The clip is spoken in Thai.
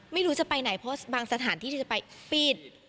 ไม่รู้จะไปไหนเพราะบางสถานที่ที่จะไปปีน